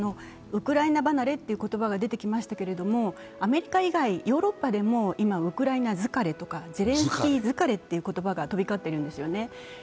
ウクライナ離れという言葉が出てきましたけど、アメリカ以外、ヨーロッパでも今、ウクライナ疲れとかゼレンスキー疲れという言葉が飛び交っているんですよね。